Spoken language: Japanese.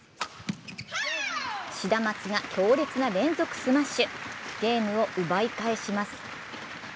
シダマツが強烈な連続スマッシュ、ゲームを奪い返します。